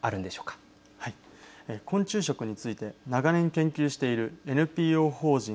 昆虫食について長年研究しているＮＰＯ法人